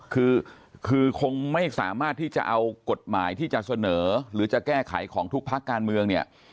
คือคือคงไม่สามารถที่จะเอากฎหมายที่จะเสนอหรือจะแก้ไขของทุกภาคการเมืองเนี่ย